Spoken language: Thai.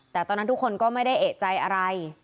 แต่ตอนนั้นทุกคนก็ไม่ได้เอกใจอะไร